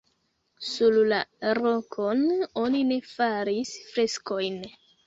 Sur la rokon oni ne faris freskojn.